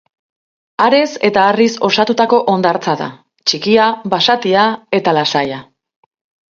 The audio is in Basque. Arez eta harriz osatutako hondartza da, txikia, basatia eta lasaia.